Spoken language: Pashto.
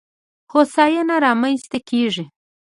هوساینه رامنځته کېږي.